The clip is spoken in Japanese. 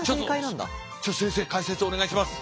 ちょっと先生解説お願いします。